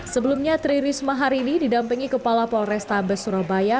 sebelumnya tri risma harini didampingi kepala polrestabes surabaya